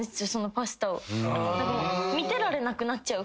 見てられなくなっちゃう。